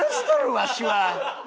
わしは！